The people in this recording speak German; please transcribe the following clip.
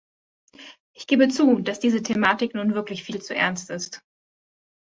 Ich gebe zu, dass diese Thematik nun wirklich viel zu ernst ist.